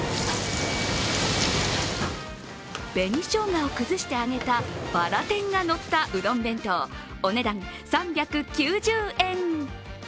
紅しょうがを崩して揚げたバラ天がのったうどん弁当、お値段３９０円。